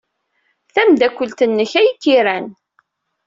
Tameddakelt-nnek ay k-iran.